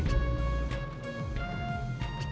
kalau ke rumah naim doang